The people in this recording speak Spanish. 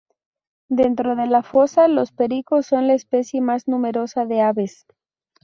Dentro de la fosa, los pericos son la especie más numerosa de aves.